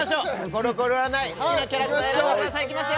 コロコロ占い好きなキャラクター選んでくださいいきます